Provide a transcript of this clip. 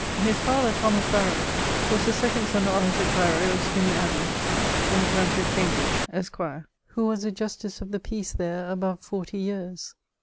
His father, Thomas Barrow, was the second son of Isaac Barrow of Spinney Abbey in the countie of Cambridge, esq., who was a Justice of the Peace there above fourtie yeares.